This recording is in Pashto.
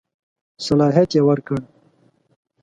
صلاحیت ورکړ.